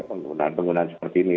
penggunaan penggunaan seperti ini